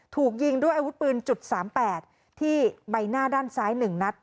ถูกยิงด้วยอาวุธปืนจุดสามแปดที่ใบหน้าด้านซ้ายหนึ่งนัด